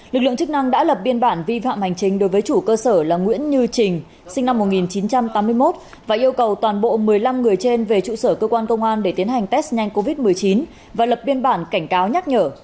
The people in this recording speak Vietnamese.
lực lượng chức năng đã lập biên bản vi phạm hành trình đối với chủ cơ sở là nguyễn như trình sinh năm một nghìn chín trăm tám mươi một và yêu cầu toàn bộ một mươi năm người trên về trụ sở cơ quan công an để tiến hành test nhanh covid một mươi chín và lập biên bản cảnh cáo nhắc nhở